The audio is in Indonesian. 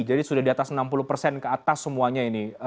sudah di atas enam puluh persen ke atas semuanya ini